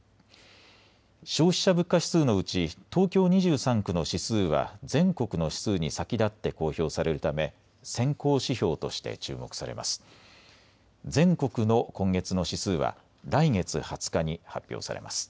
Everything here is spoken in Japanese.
消費者物価指数のうち東京２３区の指数は全国の指数に先立って公表されるため先行指標として注目されます。